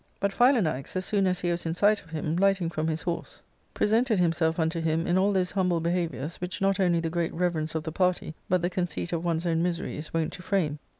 But Philanax, as soon as he was in sight of him, lighting from his horse, presented himself unto ARCADIA,— Book V. 451 him in all those humble behaviours which not only the great reverence of the party, but the conceit of one's own misery is wont to frame.